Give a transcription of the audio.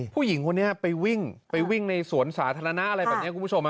ผู้หญิงคนนี้ไปวิ่งไปวิ่งในสวนสาธารณะอะไรแบบนี้คุณผู้ชม